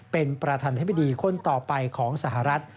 เป็นประธานธิบดีคนต่อไปของสหรัฐ